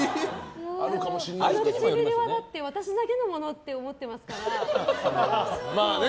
その唇は私だけのものって思っていますから。